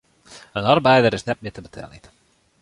In arbeider is net mear te beteljen.